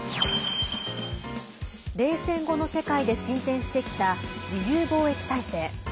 冷戦後の世界で進展してきた自由貿易体制。